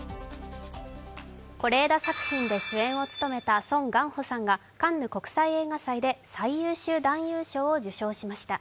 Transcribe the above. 是枝作品で主演を務めたソン・ガンホさんがカンヌ国際映画祭で最優秀男優賞を受賞しました。